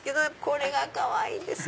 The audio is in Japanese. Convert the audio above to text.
これがかわいいです！